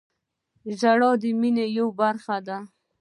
• ژړا د مینې یوه برخه ده.